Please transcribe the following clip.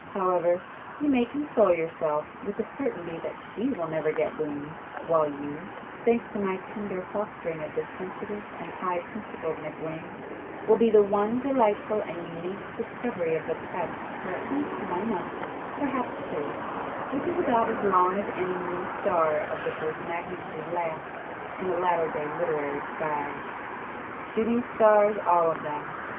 However you may console yourself with the certainty that she will never get 'boomed,'—while you—thanks to my tender fostering of the sensitive and high principled McWhing, will be the one delightful and unique 'discovery' of the press for at least one month, perhaps two, which is about as long as any 'new star of the first magnitude' lasts in the latter day literary skies. Shooting stars all of them!